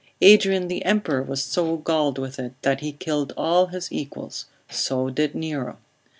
Adrian the Emperor was so galled with it, that he killed all his equals; so did Nero.